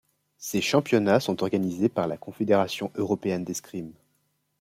Ces championnats sont organisés par la confédération européenne d'escrime.